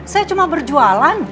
saya cuma berjualan